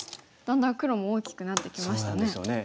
だんだん黒も大きくなってきましたね。